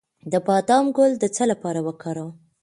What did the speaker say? د بادام ګل د څه لپاره وکاروم؟